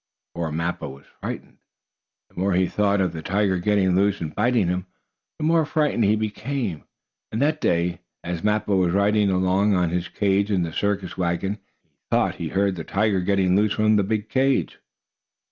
Poor Mappo was frightened. The more he thought of the tiger getting loose and biting him, the more frightened he became. And that day, as Mappo was riding along in his own cage in the circus wagon, he thought he heard the tiger getting loose from the big cage.